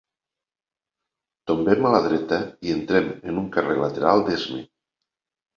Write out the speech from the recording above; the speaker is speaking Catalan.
Tombem a la dreta i entrem en un carrer lateral d'esma.